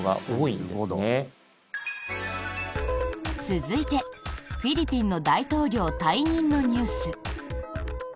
続いて、フィリピンの大統領退任のニュース。